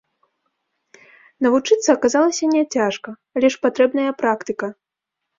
Навучыцца аказалася няцяжка, але ж патрэбная практыка.